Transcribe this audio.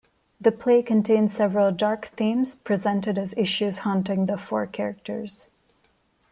The play contains several dark themes, presented as issues haunting the four characters.